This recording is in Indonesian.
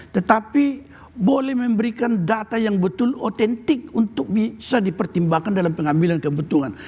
tetapi boleh memberikan data yang betul otentik untuk bisa dipertimbangkan dalam pengambilan keputusan